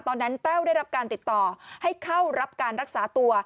แต้วได้รับการติดต่อให้เข้ารับการรักษาตัว